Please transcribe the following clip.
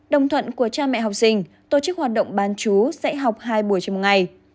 đồng thuận của cha mẹ học sinh tổ chức hoạt động bán chú sẽ học hai buổi trên một ngày